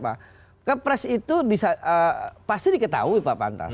pada pres itu pasti diketahui pak pantas